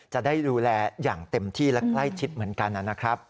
จะได้ดูแลอย่างเต็มที่และใกล้ชิดเหมือนกันนะครับ